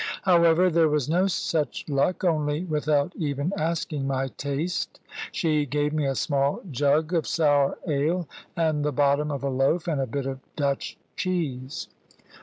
However, there was no such luck, only, without even asking my taste, she gave me a small jug of sour ale, and the bottom of a loaf, and a bit of Dutch cheese.